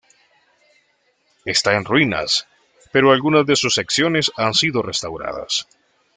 Está en ruinas, pero algunas de sus secciones han sido restauradas.